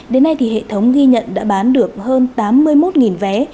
đến nay thì hệ thống ghi nhận đã bán được hơn tám mươi một vé